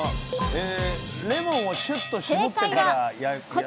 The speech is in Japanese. えレモンをシュッと搾ってから焼く。